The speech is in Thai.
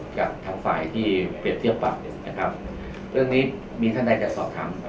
กับทางฝ่ายที่เปรียบเทียบปรับนะครับเรื่องนี้มีท่านใดจะสอบคำ